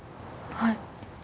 はい。